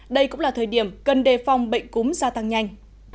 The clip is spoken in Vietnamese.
đây cũng là thời điểm cần đề phòng bệnh cúm gia tăng nhanh